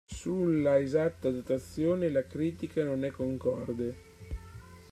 Sulla esatta datazione la critica non è concorde.